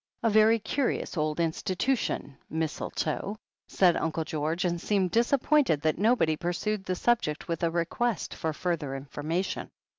"A very curious old institution, mistletoe," said Uncle George, and seemed disappointed tliat nobody pursued the subject with a request for further informa tion.